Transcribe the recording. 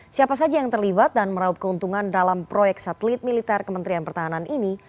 siapa saja yang terlibat dan meraup keuntungan dalam proyek satelit militer kementerian pertahanan ini